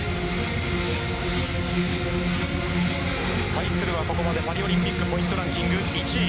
対するは、ここまでパリオリンピックポイントランキング１位。